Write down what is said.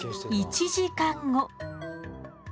１時間後。